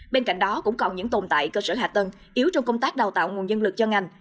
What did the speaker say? bên cạnh đó cũng còn những tồn tại cơ sở hạ tân yếu trong công tác đào tạo nguồn dân lực cho ngành